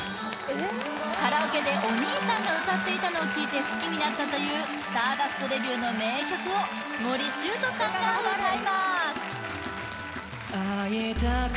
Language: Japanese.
カラオケでお兄さんが歌っていたのを聴いて好きになったというＳＴＡＲＤＵＳＴＲＥＶＵＥの名曲を森愁斗さんが歌いますうわ！